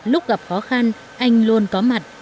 lúc gặp khó khăn anh luôn có mặt